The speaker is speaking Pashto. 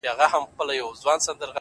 ستا څخه ډېر تـنگ ـ